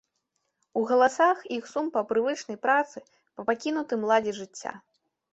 У галасах іх сум па прывычнай працы, па пакінутым ладзе жыцця.